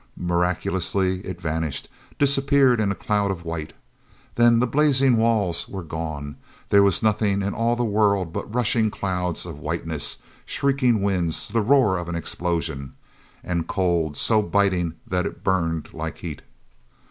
Miraculously it vanished, disappeared in a cloud of white. Then the blazing walls were gone—there was nothing in all the world but rushing clouds of whiteness, shrieking winds, the roar of an explosion—and cold, so biting that it burned like heat.